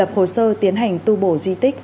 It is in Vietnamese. lập hồ sơ tiến hành tu bổ di tích